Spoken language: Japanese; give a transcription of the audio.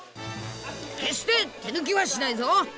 決して手抜きはしないぞ！